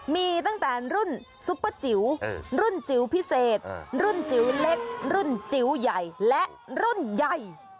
มีตั้งแต่รุ่นซุปเปอร์จิ๋วรุ่นจิ๋วพิเศษรุ่นจิ๋วเล็กรุ่นจิ๋วใหญ่และรุ่นใหญ่